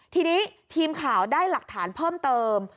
ทีนี้ทีมข่าวได้หลักฐานเพิ่มเติม